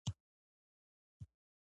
د هرات سفر او سیمینار ډېر خواږه وو.